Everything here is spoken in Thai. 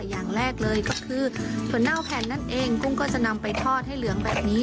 อย่างแรกเลยก็คือถั่วเน่าแผ่นนั่นเองกุ้งก็จะนำไปทอดให้เหลืองแบบนี้